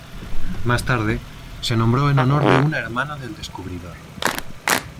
Más tarde, se nombró en honor de una hermana del descubridor.